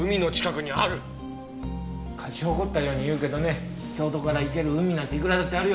勝ち誇ったように言うけどね京都から行ける海なんていくらだってあるよ。